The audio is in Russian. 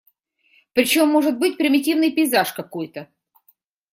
Причем, может быть примитивный пейзаж какой-то.